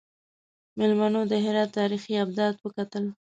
میلمنو د هرات تاریخي ابدات وکتل.